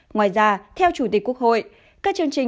ngoài ra theo chủ tịch quốc hội